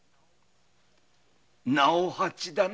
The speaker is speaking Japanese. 直八だな。